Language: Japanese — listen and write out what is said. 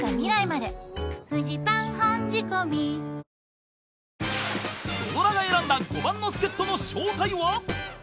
新しくなった［土ドラが選んだ５番の助っ人の正体は］